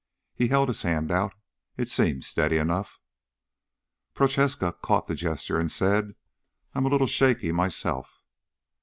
He held his hand out. It seemed steady enough. Prochaska caught the gesture and said, "I'm a little shaky myself."